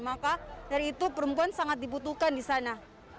maka dari itu perempuan sangat dibutuhkan disana